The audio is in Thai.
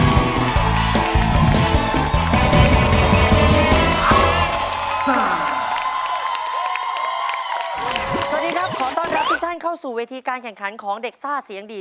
สวัสดีครับขอต้อนรับทุกท่านเข้าสู่เวทีการแข่งขันของเด็กซ่าเสียงดี